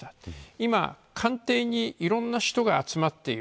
今、官邸にいろんな人が集まっている。